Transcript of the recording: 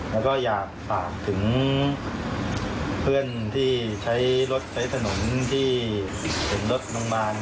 แล้วก็อยากฝากถึงเพื่อนที่ใช้รถใช้ถนนที่เห็นรถโรงพยาบาล